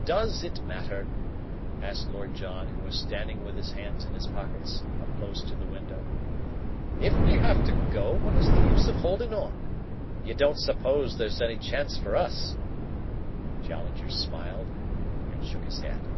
"Does it matter?" asked Lord John, who was standing with his hands in his pockets close to the window. "If we have to go, what is the use of holdin' on? You don't suppose there's any chance for us?" Challenger smiled and shook his head.